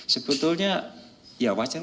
sebetulnya ya wajar